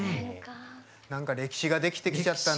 何か歴史が出来てきちゃったね。